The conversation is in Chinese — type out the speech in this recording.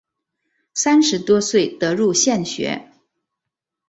三十多岁得入县学。